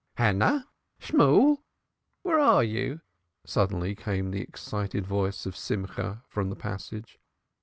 "Hannah! Shemuel! Where are you?" suddenly came the excited voice of Simcha from the passage.